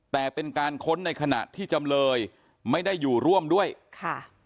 แต่เป็นการค้นในขณะที่จำเลยไม่ได้อยู่ร่วมด้วยค่ะ